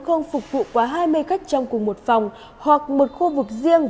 không phục vụ quá hai mươi khách trong cùng một phòng hoặc một khu vực riêng